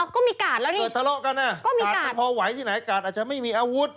อ๋อก็มีกาดแล้วนี่เกิดทะเลาะกันพอไหวที่ไหนกาดอาจจะไม่มีอาวุธ